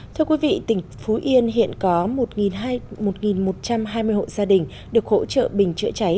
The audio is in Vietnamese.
thưa quý vị tỉnh phú yên hiện có một một trăm hai mươi hộ gia đình được hỗ trợ bình chữa cháy